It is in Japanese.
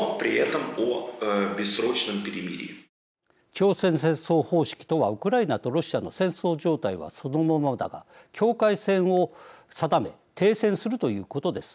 朝鮮戦争方式とはウクライナとロシアの戦争状態はそのままだが、境界線を定め停戦するということです。